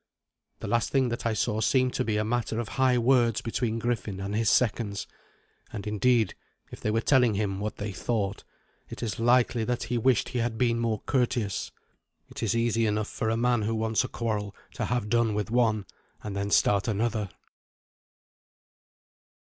The last thing that I saw seemed to be a matter of high words between Griffin and his seconds; and, indeed, if they were telling him what they thought, it is likely that he wished he had been more courteous. It is easy enough for a man who wants a quarrel to have done with one and then start another.